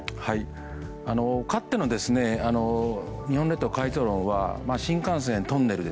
かつての日本列島改造論は新幹線、トンネル